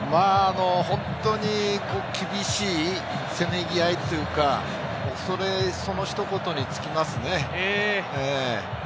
本当に厳しいせめぎ合いというか、そのひと言に尽きますね。